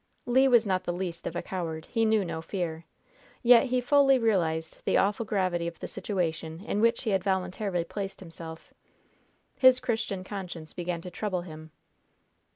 Le was not the least of a coward. He knew no fear. Yet he fully realized the awful gravity of the situation in which he had voluntarily placed himself. His Christian conscience began to trouble him.